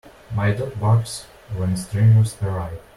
My dog barks when strangers arrive.